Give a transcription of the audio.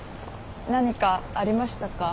何かありましたか？